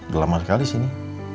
dah lama sekali sih ini